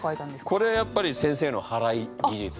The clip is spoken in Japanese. これはやっぱり先生のはらい技術で。